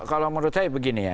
kalau menurut saya begini ya